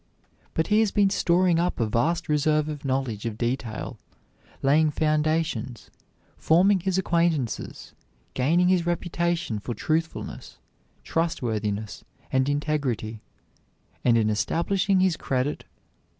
But he has been storing up a vast reserve of knowledge of detail, laying foundations, forming his acquaintances, gaining his reputation for truthfulness, trustworthiness, and integrity, and in establishing his credit.